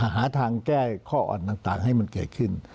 หาทางแก้ข้ออ่อนต่างให้มันเกิดขึ้น